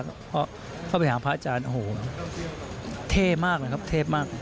เพราะเข้าไปหาพระอาจารย์โอ้โหเท่มากเลยครับเท่มาก